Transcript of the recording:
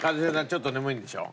ちょっと眠いんでしょ？